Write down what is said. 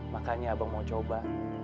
makanya abang mau coba